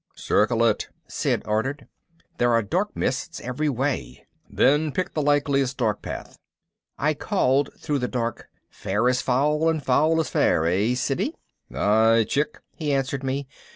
"Circle it," Sid ordered. "There are dark mists every way." "Then pick the likeliest dark path!" I called through the dark, "Fair is foul, and foul is fair, eh, Siddy?" "Aye, chick," he answered me.